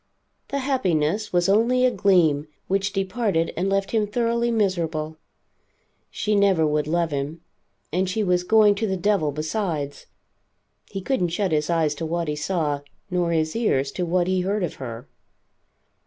The happiness was only a gleam, which departed and left him thoroughly miserable. She never would love him, and she was going to the devil, besides. He couldn't shut his eyes to what he saw, nor his ears to what he heard of her.